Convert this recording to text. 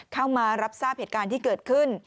เข้ามารับทราบเหตุการณ์ที่เกิดขึ้น